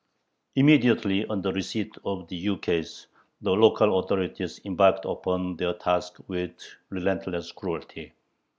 Immediately on the receipt of the ukase the local authorities embarked upon their task with relentless cruelty.